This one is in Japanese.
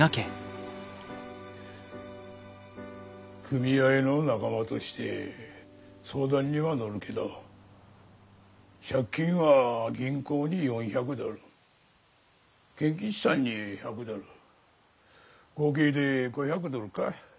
組合の仲間として相談には乗るけど借金は銀行に４００ドル賢吉さんに１００ドル合計で５００ドルか。